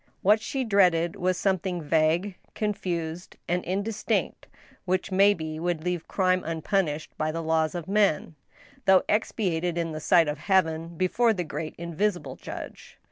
. What she dreaded was something vague, confused, and indistinct, which may be would leave crime un punished by the laws of men, though expiated in the sight of Heaven before the great invisible Judge.